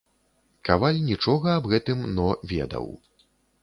Каваль нічога аб гэтым но ведаў.